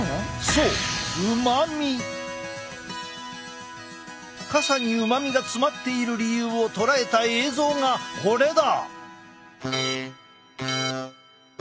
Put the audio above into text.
そう傘にうまみが詰まっている理由を捉えた映像がこれだ！